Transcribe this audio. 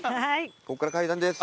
ここから階段です。